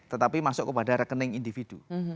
tetapi masuk kepada rekening individu